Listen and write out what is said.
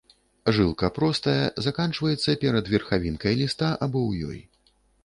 Жылка простая, заканчваецца перад верхавінкай ліста або ў ёй.